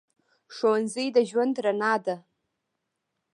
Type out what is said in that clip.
ښوونځی د ژوند رڼا ده